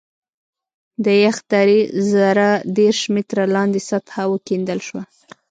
د یخ درې زره دېرش متره لاندې سطحه وکیندل شوه